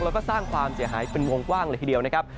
แล้วก็สร้างความเสียหายเป็นวงกว้างเลยทีเดียวนะครับ